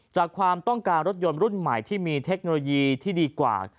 ความต้องการรถยนต์รุ่นใหม่ที่มีเทคโนโลยีที่ดีกว่า